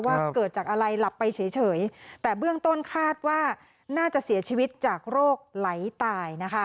เกิดจากอะไรหลับไปเฉยแต่เบื้องต้นคาดว่าน่าจะเสียชีวิตจากโรคไหลตายนะคะ